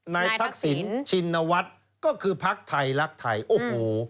นายทักศิลป์ชินวัตรก็คือพักไทยลักไทยโอ้โห